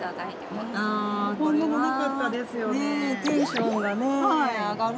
こんなの、なかったですよね。